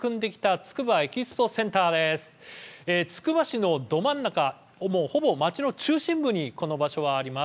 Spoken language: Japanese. つくば市のど真ん中、ほぼ街の中心部にこの場所はあります。